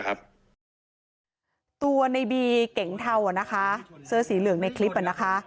ตัวในบีเก๋งเทานะคะเสื้อสีเหลืองในคลิปนะคะ